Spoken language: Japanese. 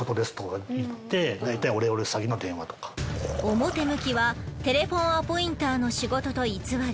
表向きはテレフォンアポインターの仕事と偽り